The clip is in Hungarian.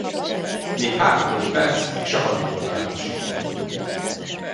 Még három-négy perc, és a hajó oldalához simul.